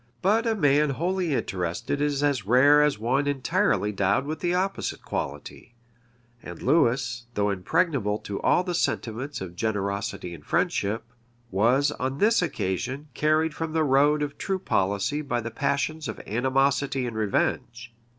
But a man wholly interested is as rare as one entirely endowed with the opposite quality; and Lewis, though impregnable to all the sentiments of generosity and friendship, was, on this occasion, carried from the road of true policy by the passions of animosity and revenge.